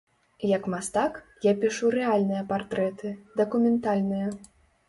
Як мастак, я пішу рэальныя партрэты, дакументальныя.